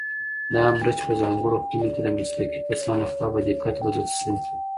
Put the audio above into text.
دا مرچ په ځانګړو خونو کې د مسلکي کسانو لخوا په دقت روزل شوي.